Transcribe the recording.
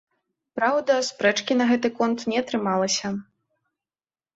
Праўда, спрэчкі на гэты конт не атрымалася.